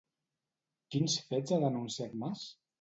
Quins fets ha denunciat Mas?